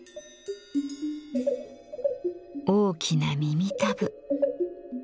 大きな耳たぶ。